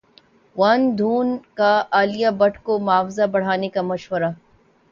ورن دھون کا عالیہ بھٹ کو معاوضہ بڑھانے کا مشورہ